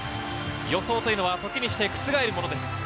予想は時にして覆るものです。